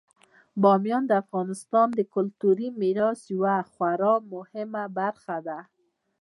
بامیان د افغانستان د کلتوري میراث یوه خورا مهمه برخه ده.